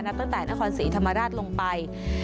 ตั้งแต่นครศรีธรรมราชลงไป